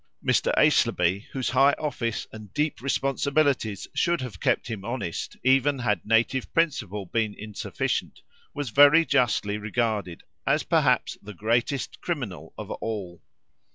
Mr. Aislabie, whose high office and deep responsibilities should have kept him honest, even had native principle been insufficient, was very justly regarded as perhaps the greatest criminal of all.